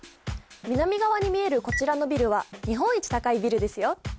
南側に見えるこちらのビルは日本一高いビルですよ